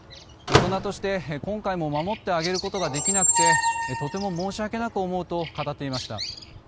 大人として今回も守ってあげることができなくてとても申し訳なく思うと語っていました。